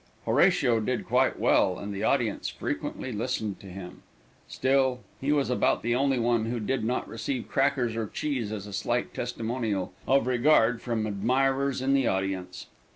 Horatio did quite well, and the audience frequently listened to him. Still, he was about the only one who did not receive crackers or cheese as a slight testimonial of regard from admirers in the audience.